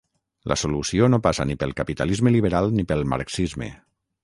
La solució no passa ni pel capitalisme liberal ni pel marxisme.